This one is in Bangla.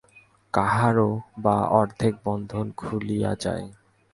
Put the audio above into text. কাহারও বা অর্ধেক বন্ধন খুলিয়া যায়।